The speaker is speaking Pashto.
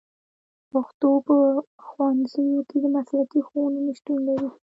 پښتو په ښوونځیو کې د مسلکي ښوونکو نشتون لري